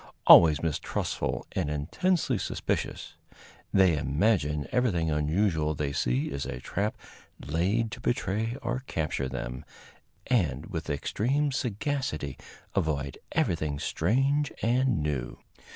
Always mistrustful and intensely suspicious, they imagine everything unusual they see is a trap laid to betray or capture them, and with extreme sagacity avoid everything strange and new.